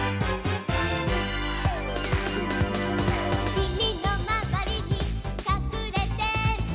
「君のまわりにかくれてる」